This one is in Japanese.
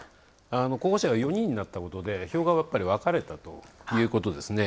候補者が４人になったことで票が分かれたということですね。